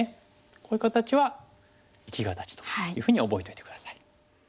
こういう形は生き形というふうに覚えといて下さい。